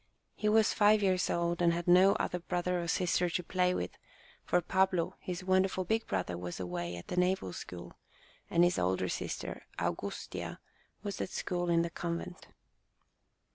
He was five years old and had no other brother or sister to play with, for Pablo, his wonderful big brother, was away at the Naval School, and his older sister, Augustia, was at school in the convent.